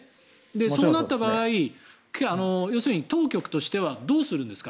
そうなった場合要するに当局としてはどうするんですか？